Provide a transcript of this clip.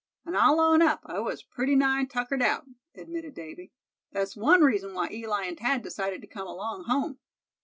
"And I'll own up I was pretty nigh tuckered out," admitted Davy. "That's one reason why Eli and Thad decided to come along home.